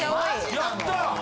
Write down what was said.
やった！